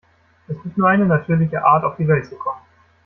Es gibt nur eine natürliche Art, auf die Welt zu kommen.